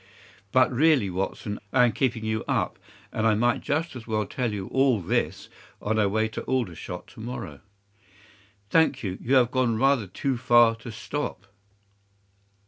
But really, Watson, I am keeping you up, and I might just as well tell you all this on our way to Aldershot to morrow." "Thank you, you have gone rather too far to stop."